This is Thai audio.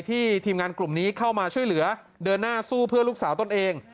ทีมงานกลุ่มนี้เข้ามาช่วยเหลือเดินหน้าสู้เพื่อลูกสาวตนเอง